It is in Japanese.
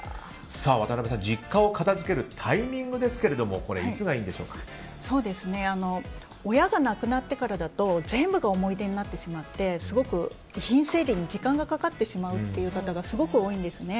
渡部さん、実家を片付けるタイミングですが親が亡くなってからだと全部が思い出になってしまってすごく遺品整理に時間がかかってしまう方がすごく多いんですね。